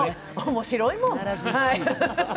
面白いもん。